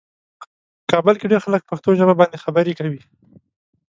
په کابل کې ډېر خلک پښتو ژبه باندې خبرې کوي.